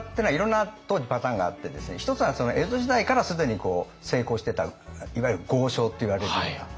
一つは江戸時代から既に成功してたいわゆる豪商といわれるような。